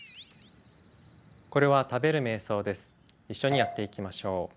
これは一緒にやっていきましょう。